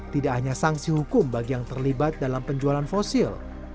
tidak hanya sanksi hukum bagi yang terlibat dalam penjualan fosil